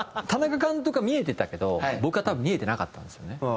田中監督は見えてたけど僕は多分見えてなかったんですよね。